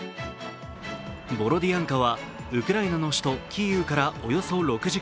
ボロディアンカはウクライナの首都キーウからおよそ６０ｋｍ